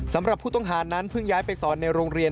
สำหรับผู้ต้องหานั้นเพิ่งย้ายไปสอนในโรงเรียน